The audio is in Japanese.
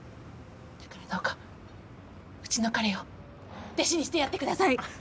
だからどうかうちの彼を弟子にしてやってください！